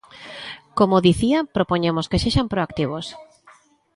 Como dicía, propoñemos que sexan proactivos.